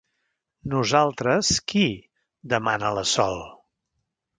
Nosaltres, qui? —demana la Sol.